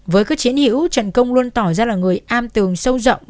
với các chiến hữu trần công luôn tỏ ra là người am tường sâu rộng